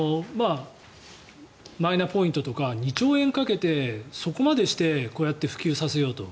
マイナポイントとか２兆円かけてそこまでしてこうやって普及させようと。